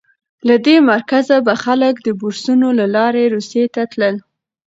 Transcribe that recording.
له دې مرکزه به خلک د بورسونو له لارې روسیې ته تلل.